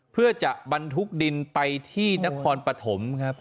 เพื่อจะบรรทุกดินไปที่นครปฐมครับ